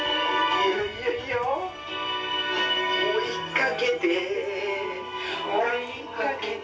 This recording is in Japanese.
「追いかけて追いかけて」